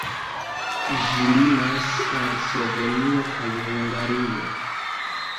Ĝi limas al Slovenio kaj Hungario.